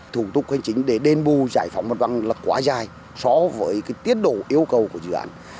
thủ tục hành chính để đền bù giải phóng mặt bằng là quá dài so với tiết độ yêu cầu của dự án